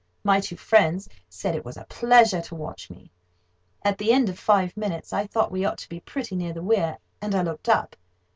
My two friends said it was a pleasure to watch me. At the end of five minutes, I thought we ought to be pretty near the weir, and I looked up.